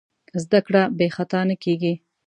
زدهکړه بېخطا نه کېږي.